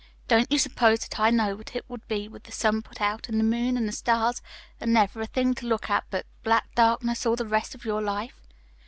"Don't you s'pose that I know what it would be with the sun put out, an' the moon an' the stars, an' never a thing to look at but black darkness all the rest of your life?